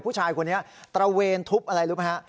ผู้ชายคนนี้ตระเวนทุบอะไรรู้ไหมฮะ